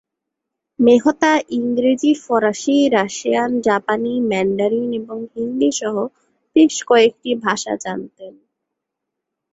মেহতা ইংরেজি, ফরাসি, রাশিয়ান, জাপানি, ম্যান্ডারিন এবং হিন্দি সহ বেশ কয়েকটি ভাষা জানতেন।